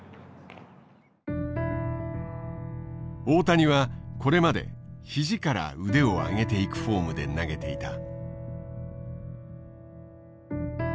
大谷はこれまで肘から腕を上げていくフォームで投げていた。